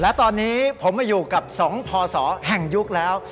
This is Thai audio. และตอนนี้ผมมาอยู่กับ๒พศแห่งยุคแล้ว